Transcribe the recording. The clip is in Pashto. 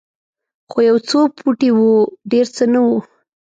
خو یو څو پوټي وو ډېر څه نه وو.